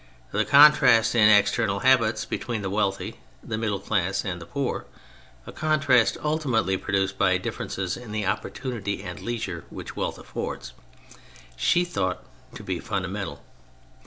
The contrast in external habits between the wealthy, the middle class, and the poor — a contrast ultimately produced by differences in the oppor tunity and leisure which wealth affords — she thought to be fundamental.